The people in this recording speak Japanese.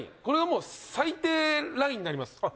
これが最低ラインになります。